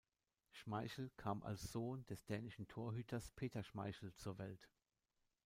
Schmeichel kam als Sohn des dänischen Torhüters Peter Schmeichel zur Welt.